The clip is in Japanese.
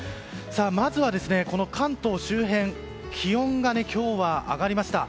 まずは関東周辺気温が今日は上がりました。